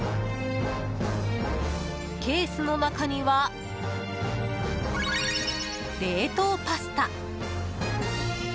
ケースの中には冷凍パスタ。